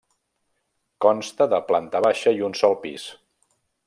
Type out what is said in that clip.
Consta de planta baixa i un sol pis.